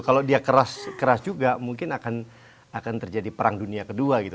kalau dia keras keras juga mungkin akan terjadi perang dunia kedua gitu